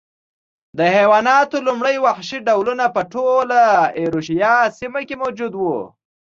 د حیواناتو لومړي وحشي ډولونه په ټوله ایرویشیا سیمه کې موجود و